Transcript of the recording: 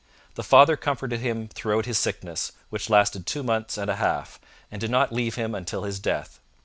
The Father comforted him throughout his sickness, which lasted two months and a half, and did not leave him until his death.